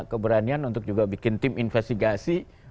keberanian untuk juga bikin tim investigasi